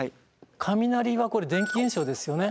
雷は電気現象ですよね。